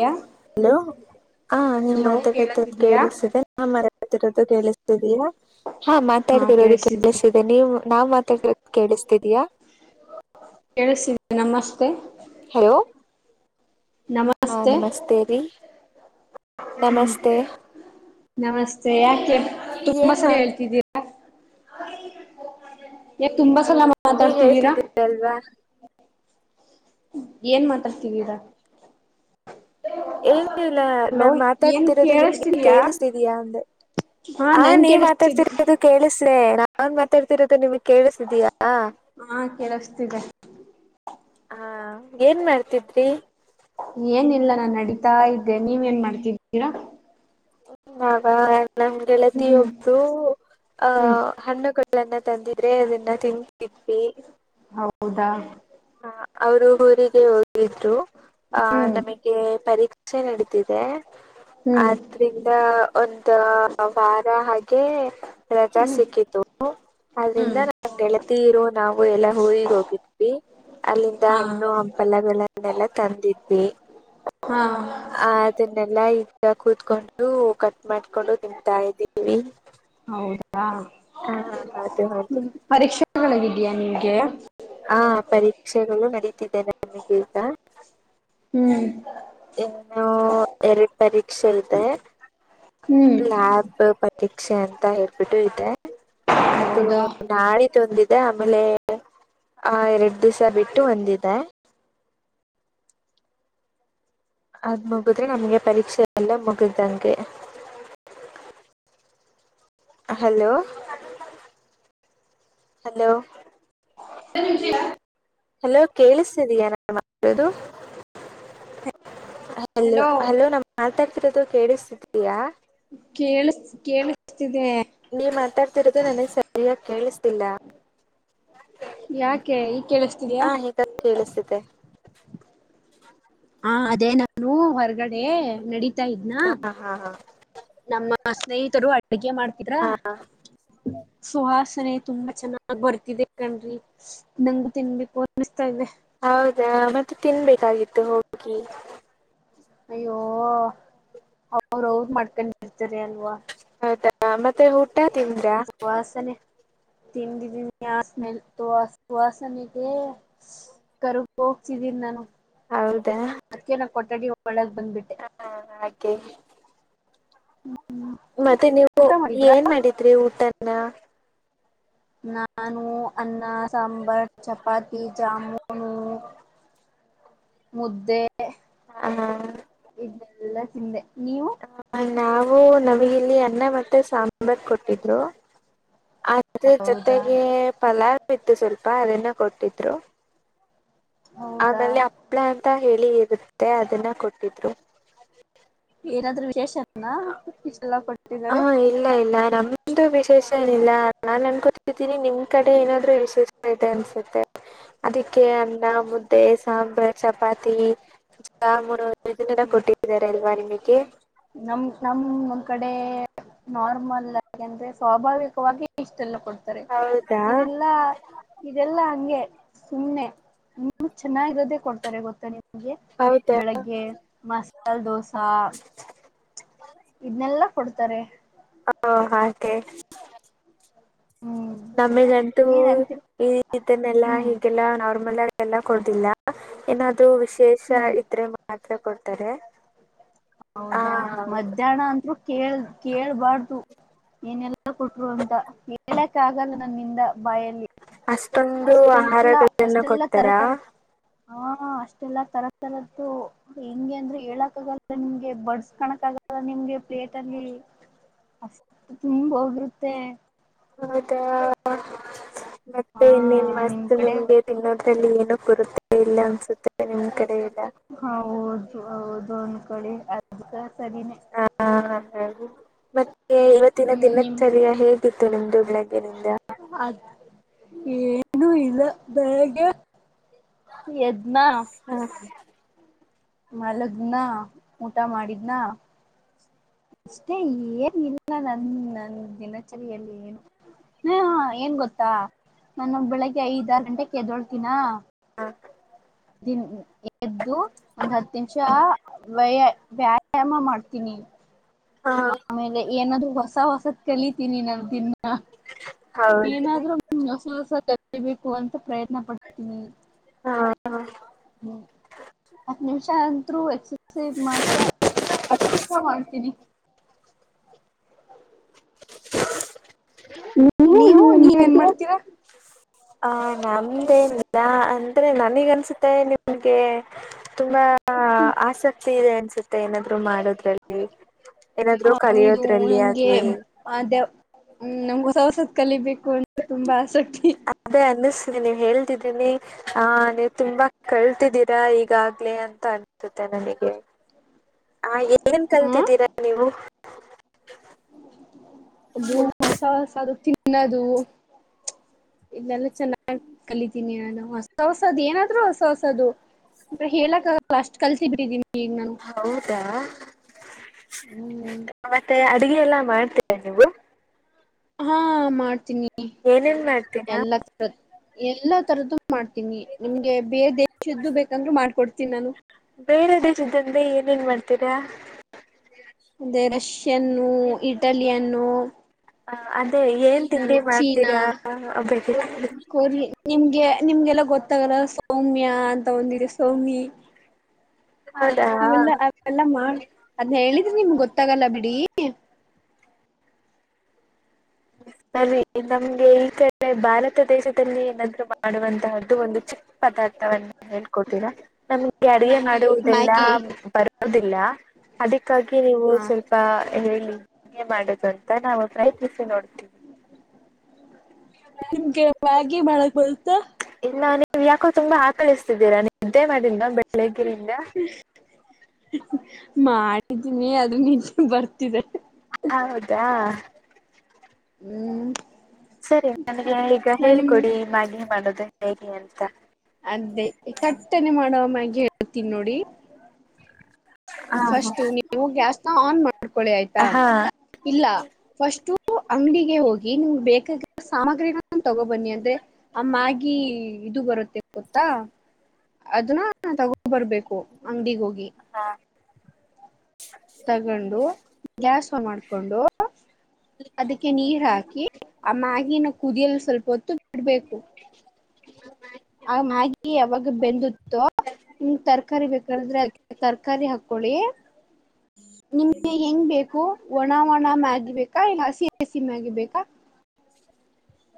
ಯ ಹಲೊ ಹಾಂ ನಿಮ್ ಹಲೋ ಮಾತಾಡ್ತಿರೋದ್ ಕೇಳಸಿದೀಯಾ ಕೇಳಿಸ್ತಿದೆ ನಾನ್ ಮಾತಾಡ್ತಿರೋದು ಕೇಳ್ಸ್ತಾತಿದಿಯ ಹಾ ಮಾತಾಡ್ತಿರೋದ್ ಕೇಳ್ಸ್ತೀದೆ ನೀವು ನಾವ್ ಮಾತಡ್ತಿರೋದ್ ಕೇಳ್ಸ್ತಾತಿದಿಯ ಕೇಳಿಸ್ತಿದೆ ನಮಸ್ತೆ ಹಲೊ ನಮ [unintelligible] ಹಾ ನಮಸ್ತೆ ರೀ ಹ್ಮ್ ನಮಸ್ತೆ ನಮಸ್ತೆ ಯಾಕೆ ತುಂಬಾ ಏನ್ ಸರಿ ಮಾ ಹೇಳ್ತಿದ್ದೀರಿ ಯೇ ತುಂಬಾ ಸಲ ಮಾಡ್ ನೀ ಹೇಳ್ತಿದ್ದರಿ [inaudible] ಅಲ್ವಾ ಏನ್ ಮಾತಾಡ್ತಿದೀರಾ ಏನ್ ಇಲ್ಲ ಹಲೋ ನಾನ್ ಏನ್ ಮಾತಾಡ್ತಿರೋದು ನಿಮ್ಗೆ ಕೇಳಿಸ್ತಿದಯಾ ಕೇಳ್ಸ್ತಾತಿದಿಯ ಅಂದೆ ಹಾ ನಂಗ್ ನೀ ಕೇಳಿಸ್ತಿದೆ ಮಾತಾಡ್ತಿರೊದ್ ಕೇಳ್ಸ್ಲೆ ನಾವ್ ಮಾತಾಡ್ತಿರೋದು ನಿಮ್ಗ್ ಕೇಳ್ಸ್ತಾತಿದಿಯ ಹಾ ಕೇಳ್ಸ್ತಿದೆ ಹಾ ಏನ್ ಮಾಡ್ತಿದ್ರಿ ಏನಿಲ್ಲ ನಾನ್ ನಡೀತಾ ಇದ್ದೆ ನೀವ್ ಏನ್ ಮಾಡ್ತಿದ್ದೀರಾ [unintelligible] ನಮ್ಗೆಳತಿ ಹ್ಮ್ ಒಬ್ ಓ ಆ ಹ್ಮ್ ಹಣ್ಣಗಳನ್ನ ತಂದಿದ್ರೆ ಅದನ್ನ ತಿಂತಿದ್ವಿ ಹೌದಾ ಹ ಅವರು ಊರಿಗೆ ಹೋಗಿದ್ರು ಆ ಹ್ಮ್ ನಮಗೆ ಪರೀಕ್ಷೆ ನಡಿತ್ ತಿದೆ ಆ ಹ್ಮ್ ಇಂದ ಒಂದ್ ವಾರ ಹಾಗೆ ರಜ ಸಿಕ್ಕಿತು ಆದ್ರಿಂದ ಹ್ಮ್ ನ ಗೆಳತೀರು ನಾವು ಎಲ್ಲಾ ಊರಿಗ್ ಹೋಗಿದ್ವಿ ಅಲ್ಲಿಂದ ಹಾ ಹಣ್ಣು ಹಂಪಲಗಳನ್ನೆಲ್ಲ ತಂದಿದ್ವಿ ಹಾ ಆ ಅದನ್ನೆಲ್ಲಾ ಈಗ ಕೂತ್ಕೊಂಡು ಕಟ್ ಮಾಡ್ಕೊಂಡು ತಿಂತ ಇದ್ದೀವಿ ಹೌದಾ ಹಾ ಹಾ ಅದು ಹೌದು ಳಗಿದಿಯಾ ನಿಮ್ಗೆ ಹಾ ಪರೀಕ್ಷೆಗಳು ನಡೀತಿದ್ದಾವೆ ನಮಗೆ ಈಗ ಹ್ಮ್ ಇನ್ನು ಎರಡ್ ಪರೀಕ್ಷೆ ಇದೆ ಹ್ಮ್ ಲ್ಯಾಬ್ ಪರೀಕ್ಷೆ ಅಂತ ಹೇಳ್ಬಿಟ್ಟು ಇದೆ ಅದು ಹೌದಾ ನಾಳೆ ತ್ತೊಂದಿದೆ ಆಮೇಲೆ ಆ ಎರಡು ದಿವಸ ಬಿಟ್ಟು ಒಂದಿದೆ ಅದ್ ಮುಗದ್ರೆ ನಮ್ಗೆ ಪರೀಕ್ಷೆ ಎಲ್ಲ ಮುಗ್ದನ್ಗೆ ಹಲೋ ಹಲೋ ಇ ನಿಮಚ [inaudible] ಹಲೋ ಕೇಳ್ಸ್ತಾತಿದಿಯ ನಾನ್ಮಾತೋದು ಹ [inaudible] ಹಲೋ ಹಲೋ ನಾನ್ ಮಾತಾಡ್ತಿರೋದು ಕೇಳಿಸ್ತಿದೀಯಾ ಕೇಳ್ಸ್ತ ಕೇಳ್ಸ್ತೀದೆ ನೀವ್ ಮಾತಾಡ್ತಿರೋದು ನನಗ್ ಸರಿಯಾಗ್ ಕೇಳ್ಸ್ತೀಲ್ಲ ಈಗ ಕೇಳಿಸ್ತಿದೆಯಾ ಕೆಳಸ್ತಿದ ಹಾ ಅದೇ ನಾನು ಹೊರಗಡೆ ನಡೀತಾ ಇದ್ನಾ ಹಾ ಹಾ ಹಾ ನಮ್ಮ ಸ್ನೇಹಿತರು ಅಡಗೆ ಮಾಡ್ತರಾ ಹಾ ಸುಹಾಸನೆ ತುಂಬಾ ಚೆನ್ನಾಗ್ ಬರ್ತಿದೆ ಕಣ್ರಿ ನಂಗ ತಿನ್ಬೇಕು ಅನ್ನಿಸ್ತಾ ಇದೆ ಹೌದಾ ಮತ್ತೆ ತಿನ್ಬೇಕಾಗಿತ್ತು ಹೋಗಿ ಅಯ್ಯೋ ಅವ್ರ ಅವರು ಮಾಡ್ಕೊಂಡ್ರ್ತಾರೆ ಅಲ್ವಾ ಹೌದಾ ಮತ್ತೆ ಊಟ ತಿಿಂದ್ದಾ ಸುವಾಸನೆ ತಿಂದಿದೀನಿ ಆ ಸ್ಮೆಲ್ ಸುವಾಸನೆಗೆ ಕರ್ಗ ಹೋಗ್ತಿದ್ದೀನಿ ನಾನು ಹೌದಾ ಅದ್ೇ ನ ಕೊಠಡಿ ಒಳ್ಳಗ್ ಬಂದ್ಬಿಟ್ಟೆ ಹಾಂ ಹಾಗೆ ಮತ್ತೆ ನೀವು ಊಟ ಮಾಡಿದ್ರಾ ಏನ್ ಮಾಡಿದ್ರಿ ಊಟನ ನಾನು ಅನ್ನ ಸಾಂಬಾರ್ ಚಪಾತಿ ಜಾಮೂನು.... ಮುದ್ದೆ.... ಹ ಹ.... ಇದ್ನ ಎಲ್ಲಾ ತಿಂದೆ ನೀವು ಹ ನಾವು ನಮಗ ಇಲ್ಲಿ ಅನ್ನ ಮತ್ತೆ ಸಾಂಬಾರ್ ಕೊಡ್ವಿ ದ್ರು ಅದರಾ ಹೌದಾ ಜೊತೆಗೆ ಪಲಾವ್ ಇತ್ತು ಸ್ವಲ್ಪ ಅದನ್ನ ಕೊಟ್ಟಿದ್ರು ಹೌದಾ ಆಮೇಲೆ ಆಪ್ಳ ಅಂತ ಹೇಳಿ ಇರುತ್ತೆ ಅದನ್ನ ಕೊಟ್ಟಿದ್ರು ಏನಾದ್ರೂ ವಿಶೇಷ ನಾ ಇಷ್ಟ ಎಲ್ಲಾ ಹಾ ಕೊಟ್ಟಿದ್ದಾರೆ ಇಲ್ಲ ಇಲ್ಲ ನಮ್ದು ವಿಶೇಷ ಏನಿಲ್ಲ ನಾನನ್ ಅನ್ಕೊತಿದ್ದೀನಿ ನಿಮ್ ಕಡೆ ಏನಾದರು ವಿಶೇಷ ಇದೆ ಅನ್ಸುತ್ತೆ ಅದಕ್ಕೆ ಅನ್ನ ಮುದ್ದೆ ಸಾಂಬ್ರ ಚಪಾತಿ.... ಮೂರುಿನಲ್ಲ [unintelligible] ಕೊಟ್ಟಿದ್ದಾರೆ ಅಲ್ವಾ ನಿಮಗೆ ನಮ ನಮ ನಮ್ ಕಡೆ..... ನಾರ್ಮಲ್ ಆಗಿ ಅಂದ್ರೆ ಸ್ವಾಭಾವಿಕವಾಗಿ ಇಷ್ಟೆಲ್ಲ ಕೊಡ್ತಾರೆ ಹೌದಾ ಇದೆಲ್ಲಾ...... ಇದೆಲ್ಲಾ ಹಂಗೆ ಸುಮ್ಮನೆ ಇನ್ನು ಚೆನ್ನಾಗಿರೋದೆ ಕೊಡ್ತಾರೆ ಗೊತ್ತನೆ ನೀ ಗೆ ಹೌದಾ ಬೆಳಿಗ್ಗೆ ಮಸಾಲ ದೋಸಾ ಇದನೆಲ್ಲಾ ಕೊಡ್ತಾರೆ. ಹ ಹಾಕೆ.. ಹ್ಮ್ ನಮೀಗಂತೂ ಏನ್ ಅಂತಿ ಈ ಇದನ್ನೆಲ್ಲಾ ಹ್ಮ್ ಹೀಗೆಲ್ಲಾ ನಾರ್ಮಲ್ ಆ ಎಲ್ಲ ಕೊಡುದಿಲ್ಲ ಏನಾದೂ ವಿಶೇಷ ಹ್ಮ್ ಇದ್ರೆ ಮಾತ್ರ ಕೊಡ್ತಾರೆ. ಆ ಹೌದಾ ಹೌದು ಮಧ್ಯಾಹ್ನ ಅಂತರು ಕೇಳ ಕೇಳ್ಬಾರ್ದು.... ಏನೆಲ್ಲ ಕೊಟ್ರು ಅಂತ ಹೇಳಕ್ಕ ಆಗಲ್ಲ ನನ್ನಿಂದ ಬಾಯಲ್ಲಿ.... ಅಷ್ಟೊಂದ್..... ಅಷ್ಟೆಲ್ಲ ಅಷ್ಟೆಲ್ಲ ತರತರ ಹ ಅಷ್ಟೆಲ್ಲ ತರತರದ್ದು..... ಹೆಂಗೆ ಅಂದ್ರೆ ಹೇಳಕ್ ಆಗಲ್ಲ ನಿಮ್ಗೆ ಬಡ್ಸ್ಕಾಣಕ್ ಆಗಲ್ಲ ನಿಮ್ಗೆ ಪ್ಲೇಟಲ್ಲಿ...... ಅಷ್ಟ ತುಂಬ ಹೋಗರುತ್ತೆ. ಹೌದಾ ಮತ್ತೆ ಹಾ ಇನ್ನೇನ್ ನಿಮ್ ಮಸ್ತ ಕಡೆ ನಿಮಿಗೆ........ ತಿನ್ನೋದ್ರಲ್ಲಿ ಏನ ಕೊರತೆ ಇಲ್ಲ ಅನ್ಸುತ್ತೆ ನಿಮ್ ಕಡೆ ಎಲ್ಲಾ..... ಹೌದ ಹೌದು ಅನಕೊಳ್ಳಿ [unintelligible] ಅದಕ ಸರಿನೆ ಹ ಹಾಗೆ ಮತ್ತೆ ಇವತ್ತಿನ ಹ್ಮ್ ನಿಮ್ ದಿನಚರ್ಯ ಹೇಗೆ...... ಇತ್ತು ನಿಮ್ದು ಬೆಳಗ್ಗೆನೆ ಇಂದ ಅದ ಏನೂ ಇಲ್ಲ ಬೆಳಗ್ಗೆ.... ಎದ್ನ...... ಹಾ.... ಮಲಗದ್ನಾ ಊಟ ಮಾಡಿದ್ನಾ..... ಅಷ್ಟೇ ಏನ ಇಲ್ಲ ನನ್ ನನ್ ದಿನಚರಿಯಲ್ಲಿ ಏನ...... ಹ್ಮ...... ಏನ್ ಗೊತ್ತಾ ನಾನು ಬೆಳಿಗ್ಗೆ ಐದ ಆರು ಗಂಟೆಗೆ ಕ ಎದ್ದೊಳ್ತೀನ ಹಾ... ದೀನ್ ಎದ್ದು ಒಂದ ಹತ್ತ ನಿಮಿಷ ವಯ ವ್ಯಾಯಾಮ ಮಾಡ್ತೀನಿ ಹ ಆಮೇಲೆ.... ಏನಾದ್ರೂ ಹೊಸ ಹೊಸದ ಕಲಿತೀನಿ ನಾನ್ ದೀನ್ನ ಹೌದು ಏನಾದ್ರು..... ಹ್ಮ ಹೊಸ ಹೊಸ ಕಲಿಬೇಕು ಅಂತ ಪ್ರಯತ್ನ ಪಡ್ತೀನಿ..... ಹಾ ಹ... ಹ್ಮ ಅತ್ತ ನಿಮಿಷ ಅಂತ್ರು ಎಕ್ಸ..... ಎಕ್ಸಸ್ಸೈಜ್ ಮಾತ್ರ ಪಕ್ಕ ಮಾಡ್ತೀನಿ [unintelligible] ನೀವು ನೀವೇನ್ ಮಾಡ್ತೀರಾ? ಹಾ ನಮ್ದೇನಿಲ್ಲ ಅಂದ್ರೆ ನಂಗ ಅನ್ಸುತ್ತೆ ನಿಮ್ಗೆ ತುಂಬಾ ಆಸಕ್ತಿ ಇದೆ ಅನ್ಸುತ್ತೆ ಏನಾದ್ರು ಮಾಡೋದ್ರಲ್ಲಿ. ಏನಾದ್ರು ಕಲಿಯೋದ್ರಲ್ಲಿ ಆಗ್ಲಿ ಮಹಾದೇವ ನಮ್ಗ ಹೊಸ ಹೊಸತ್ ಕಲಿಬೇಕು ಅಂತ ತುಂಬಾ ಆಸಕ್ತಿ. ಅದೇ ಅನಿಸ್ತಿದೆ ನೀವು ಹೇಳ್ತಿದ್ದೀನಿ. ಹಾ ನೀವು ತುಂಬಾ ಕಳ್ತಿದ್ದೀರಾ ಈಗಾಗ್ಲೇ ಅಂತ ಅನ್ಸುತ್ತೆ ನನಗೆ. ಆ ಏನ್ ಹ ಕಲ್ತಿದ್ದೀರಾ ನೀವು? ಅದು ಹೊಸ ಹೊಸದು ತಿನ್ನದು. ಇಲ್ಲೆಲ್ಲ ಚೆನ್ನಾಗಿ ಕಲಿತೀನಿ ನಾನು ಹೊಸ ಹೊಸದು ಏನಾದ್ರೂ ಹೊಸ ಹೊಸದು. ಅಂದ್ರ ಹೇಳಕ್ಕಾಗಲ್ಲ ಅಷ್ಟ್ ಕಲ್ಸಿ ಬಿಟ್ಟಿದೀನಿ ಈಗ ನಾನು. ಹೌದಾ ಮತ್ತೆ ಅಡುಗೆ ಎಲ್ಲ ಮಾಡ್ತೀರಾ ನೀವು? ಹಾ ಮಾಡ್ತೀನಿ ಏನೇನ್ ಮಾಡ್ತೀರಾ ಎಲ್ಲ ತರದ ಎಲ್ಲಾ ತರದ್ದು ಮಾಡ್ತೀನಿ ನಿಮ್ಗೆ ಬೇರೆ ದೇಶದ್ದು ಬೇಕಂದ್ರರು ಮಾಡ್ಕೊಡ್ತೀನಿ ನಾನು. ಬೇರೆ ದೇಶ್ದಂದೆ ಏನ್ಏನ್ ಮಾಡ್ತೀರಾ? ಅದೇ ರಶಿಯನ್ನು ಇಟಾಲಿಯನ್ನು ಹ ಅಂದೆ ಏನ್ ತಿಂಡಿ ಚೀನಾ ಮಾಡ್ತೀರಾ ಕೊರಿಯ ನಿಮ್ಗೆ ನಿಮ್ಗೆಲ್ಲ ಗೊತ್ತಾಗಲ್ಲ ಸೌಮ್ಯ ಅಂತ ಒಂದಿದೆ ಸೌಮಿ ಅವೆಲ್ಲ ಹೌದಾ ಅವೆಲ್ಲ ಮಾಡ ಅದ್ನ್ ಹೇಳಿದ್ರ ನಿಮಗ ಗೊತ್ತಾಗಲ್ಲ ಬಿಡಿ. ಸರಿ ನಮ್ಗೆ ಈ ಕಡೆ ಭಾರತ ದೇಶದಲ್ಲಿ ಏನಾದ್ರೂ ಮಾಡುವಂತಹದ್ದು ಒಂದು ಚಿಕ್ಕ ಪದಾರ್ಥವನ್ನ ಹೇಳ್ಕೊತೀರಾ ನಮ್ಗೆ ಅಡಗೆ ಮಾಡ ಮಾಡುವುದೆಲ್ಲಾ ಮ್ಯಾಗಿ ಬರುದಿಲ್ಲ ಅದಕ್ಕಾಗಿ ನೀವು ಹ ಸ್ವಲ್ಪ ಸ್ವಲ್ಪ ಹೇಳಿ ಹೆಂಗೆ ಮಾಡೋದು ಅಂತ ನಾವು ಪ್ರಯತ್ನಿಸಿ ನೋಡ್ತೀವಿ. [inaudible] [unintelligible] ಒಳಗ ಬಂತಾ? ಇನ್ನ ನೀವ್ ಯಾಕೋ ತುಂಬಾ ಆಕಳಿಸ್ತಿದ್ದೀರಾ ನೀವ್ ನಿದ್ದೆ ಮಾಡಿಲ್ವಾ ಬೆಳಿಗ್ಗೆಯಿಂದ? ಮಾಡಿದೀನಿ ಅದು ನಿದ್ದೆ ಬರ್ತಿದೆ. ಹೌದಾ. ಹ್ಮ್. ಸರಿ ನನಗೆ ಈಗ ನಾ ನಿಮ್ ಹೇಳ್ಕೊಡಿ ಮ್ಯಾಗಿ ಮಾಡದು ಹೇಗೆ ಅಂತ. ಅದೇ ತಟ್ಟನೆ ಮಾಡವ ಮ್ಯಾಗಿ ಹೇಳ್ತೀನಿ ನೋಡಿ. ಹಾ ಫಸ್ಟು ನೀವು ಗ್ಯಾಸ್ನ ಆನ್ ಮಾಡ್ಕೊಳ್ಳಿ ಆಯ್ತಾ ಹಾ ಇಲ್ಲ - ಫಸ್ಟು ಅಂಗಡಿಗೆ ಹೋಗಿ ನಿಮ್ಗೆ ಬೇಕಾಗಿ ಸಾಮಗ್ರಿ ತಗೋಬನ್ನಿ ಅಂದ್ರೆ. ಆ ಮ್ಯಾಗಿ ಇದು ಬರುತ್ತೆ ಗೊತ್ತಾ? ಅದನ್ನ ತಗೊಂಡಬರ್ಬೇಕು ಅಂಗಡಿಗ ಹೋಗಿ. ಹಾ. ತಗೊಂಡು ಗ್ಯಾಸ್ ಆನ್ ಮಾಡ್ಕೊಂಡು ಅದಕ್ಕೆ ನೀರ್ ಹಾಕಿ ಆ ಮ್ಯಾಗಿನ ಕುದಿಯಲು ಸ್ವಲ್ಪ ಹೊತ್ತು ಬಿಡ್ಬೇಕು. ಆ ಮ್ಯಾಗಿ ಯಾವಾಗ ಬೆಂದತ್ತು ಹ್ಮ ತರಕಾರಿ ಬೇಕಾದ್ರೆ ತರಕಾರಿ ಹಾಕಿಕೊಳ್ಳಿ. ನಿಮ್ಗೆ ಹೆಂಗ್ ಬೇಕು ಒಣ ಒಣ ಮ್ಯಾಗಿ ಬೇಕಾ ಇಲ್ಲ ಹಸಿ ಹಸಿ ಮ್ಯಾಗಿ ಬೇಕಾ?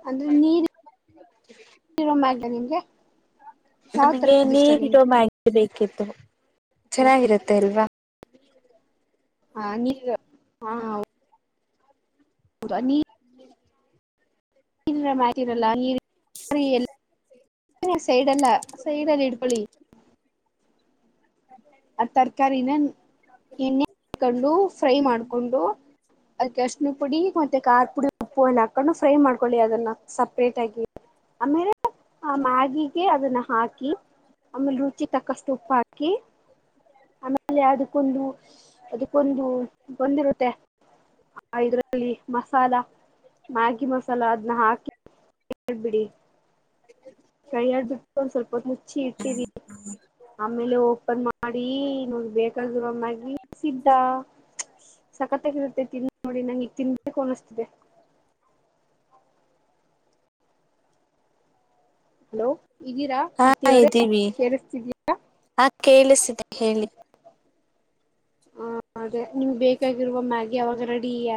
ಅಂದ್ರೆ ನೀರ [inaudible] ನೀರ ಇರೋ ಮ್ಯಾಗಿ ನಿಮ್ಗೆ. ಯಾವ ನಮ್ಗೆ ತರದ ಇಷ್ಟ ನಿಮ್ಗೆ ನೀರಿಗೋ ಮ್ಯಾಗ ಬೇಕಿತ್ತು ಚೆನ್ನಾಗಿರುತ್ತೆ ಅಲ್ವಾ ಹ ನೀ ಹ ಅನೀ ನೀರಲ್ಲಿ ಮಾಡಿರಲ್ಲನೀ ನೀ ಸೈಡ್ಲ್ಲ ಸೈಡ್ ಅಲ್ಲಿ ಇಡ್ಕೊಳ್ಳಿ ಆ ತರಕಾರಿನ ಎಣ್ಣೆ ಹಕೊಂಡು ಫ್ರೈ ಮಾಡ್ಕೊಂಡು ಅದಕ್ಕೆ ಅರ್ಷ್ಣು ಪುಡಿ ಮತ್ತೆ ಖಾರ್ ಪುಡಿ ಉಪ್ಪುಯೆಲ್ಲಾ ಹಾಕೊಂಡು ಫ್ರೈ ಮಾಡ್ಕೊಳ್ಳಿ ಅದನ್ನ ಸಪ್ರೇಟ್ ಆಗಿ ಆಮೇಲೆ ಆ ಮ್ಯಾಗಿಗೆ ಅದನ್ನ ಹಾಕಿ ಆಮೇಲೆ ರುಚಿ ತಕ್ಕಷ್ಟು ಉಪ್ಪ ಹಾಕಿ ಆಮೇಲೆ ಅದಕ್ಕೊಂದು ಅದಕ್ಕೊಂದು ಬಂದಿರುತ್ತೆ ಇದ್ರಲ್ಲಿ ಮಸಾಲ ಮ್ಯಾಗಿ ಮಸಾಲ ಅದ್ನ್ ಹಾಕಿ ಆಡ್ಬಿಡಿ ಕೈ ಆಡ್ಬಿಟ್ಟು ಒಂದ ಸ್ವಲ್ಪ ಹೊತು [inaudible] ಆಮೇಲೆ ಓಪನ್ ಮಾಡಿ ನೋ ಬೇಕಾಗಿರೊ ಮ್ಯಾಗಿ ಸಿದ್ದ ಸಕತ್ತಾಗಿರುತ್ತೆ ತಿನ್ ನೋಡಿ ನನಗೆ ಈಗ ತಿನ್ಬೇಕು ಅನಿಸ್ತಿದೆ ಹಲೋ ಇದೀರಾ ಹಾ ಕೀರ್ತಿ ಅವರೇ ಕೇಳಿಸ್ತಿದಯಾ ಕೇಳಿಸಿದೆ ಹೇಳಿ ಹ ಅದೇ ನಿಮ್ಗೆ ಬೇಕಾಗಿರುವ ಮ್ಯಾಗಿ ಅವಾಗ ರೆಡಿ [unintelligible]